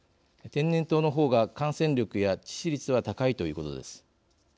天然痘のほうが感染力や致死率は高いということです。